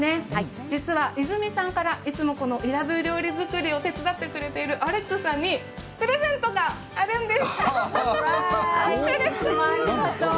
実はイズミさんからいつもイラブー料理作りを手伝ってくれているアレックスさんにプレゼントがあるんです。